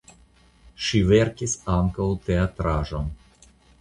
Ŝi verkis ankaŭ teatraĵon.